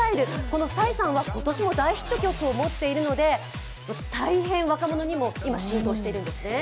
このＰＳＹさんは今年も大ヒット曲を持っているので、若者にも今、浸透しているんですね